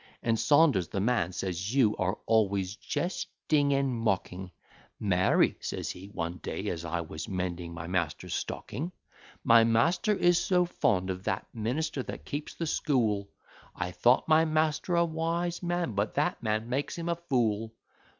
And Saunders, the man, says you are always jesting and mocking: Mary, said he, (one day as I was mending my master's stocking;) My master is so fond of that minister that keeps the school I thought my master a wise man, but that man makes him a fool.